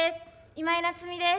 今井菜津美です。